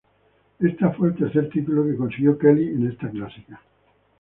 Esta fue el tercer título que consiguió Kelly en esta clásica.